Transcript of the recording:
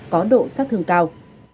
có độ sát thương cao